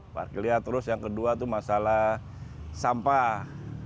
parkir liar terus yang kedua itu masalah sampah